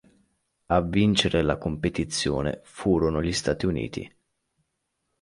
A vincere la competizione furono gli Stati Uniti.